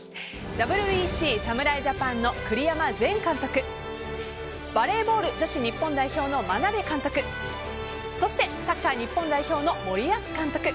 ＷＢＣ侍ジャパンの栗山前監督バレーボール女子日本代表の眞鍋監督そしてサッカー日本代表の森保監督。